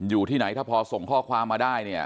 อยู่ที่ไหนถ้าพอส่งข้อความมาได้เนี่ย